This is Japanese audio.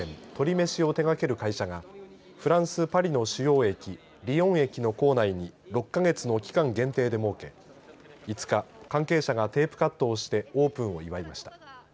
めしを手がける会社がフランス・パリの主要駅リヨン駅の構内に６か月の期間限定で設け５日関係者がテープカットをしてオープンを祝いました。